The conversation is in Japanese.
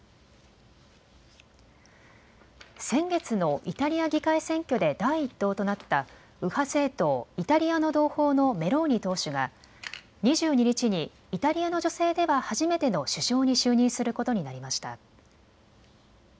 先月のイタリア議会選挙で第１党となった右派政党、イタリアの同胞のメローニ党首が２２日にイタリアの女性では初めての首相に就任することになりました。